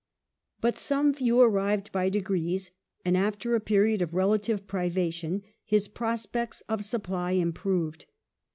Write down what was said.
But some few arrived by degrees, and, after a period of relative privation, his prospects of supply improved.